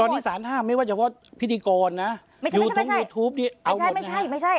ตอนนี้สารห้ามไม่ว่าเฉพาะพิธีกรนะไม่ใช่ยูทูปนี่ไม่ใช่ไม่ใช่